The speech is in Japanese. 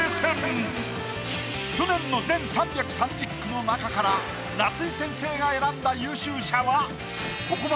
去年の全３３０句の中から夏井先生が選んだ。